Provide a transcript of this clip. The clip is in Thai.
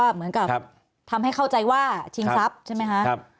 เหมือนกับทำให้เข้าใจว่าชิงทรัพย์ใช่ไหมคะ